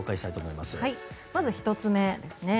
まず１つ目ですね。